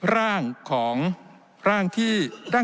ร่างที่๑๐